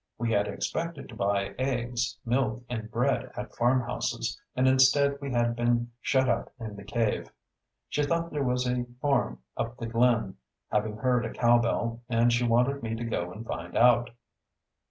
We had expected to buy eggs, milk and bread at farmhouses, and instead we had been shut up in the cave. She thought there was a farm up the glen, having heard a cow bell, and she wanted me to go and find out.